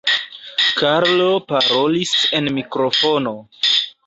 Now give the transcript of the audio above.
Karlo parolis en mikrofono.